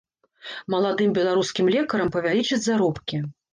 Маладым беларускім лекарам павялічаць заробкі.